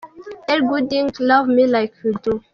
Ellie Goulding – Love Me Like You Do.